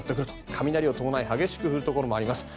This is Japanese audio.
雷を伴い激しく降るところもあります。